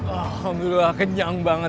alhamdulillah kenyang banget